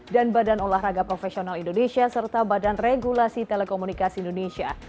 dan badan olahraga profesional indonesia serta badan regulasi telekomunikasi indonesia